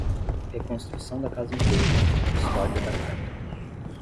Reconstrução da casa inteira, custódia da carta